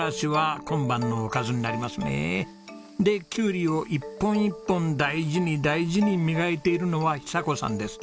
でキュウリを一本一本大事に大事に磨いているのは寿子さんです。